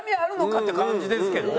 って感じですけどね。